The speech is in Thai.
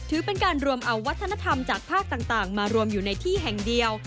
ถือเป็นการรวมเอาวัฒนธรรมจากภาคต่างมารวมอยู่ในที่แห่งเดียว